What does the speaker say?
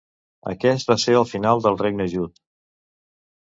Aquest va ser el final del regne jut.